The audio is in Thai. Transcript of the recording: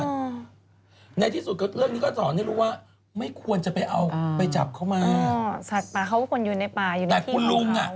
แต่คุณลุงอะเขาไม่ใช่จะกะเอามาทำกับข้าวนะ